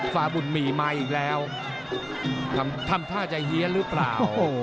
ฟาบุญมีมาอีกแล้วทำท่าจะเฮียนหรือเปล่า